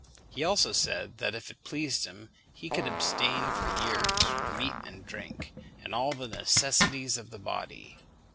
He also said that, if it pleased him, he could abstain for years from meat and drink, and all the necessities of the body.